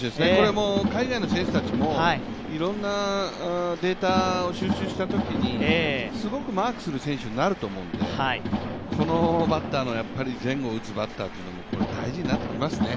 海外の選手たちもいろんなデータを収集したときにすごくマークする選手になると思うのでこのバッターの前後を打つバッターというのが大事になってきますね。